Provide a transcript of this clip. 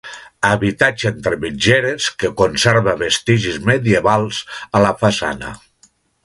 Habitatge entre mitgeres que conserva vestigis medievals a la façana.